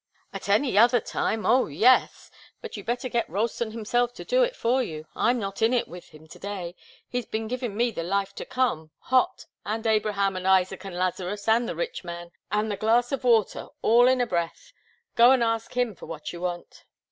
"At any other time oh, yes! But you'd better get Ralston himself to do it for you. I'm not in it with him to day. He's been giving me the life to come hot and Abraham and Isaac and Lazarus and the rich man, and the glass of water, all in a breath. Go and ask him for what you want."